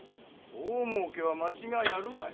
大儲けは間違いあるまい。